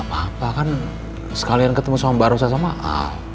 gapapa kan sekalian ketemu sama mbak arissa sama al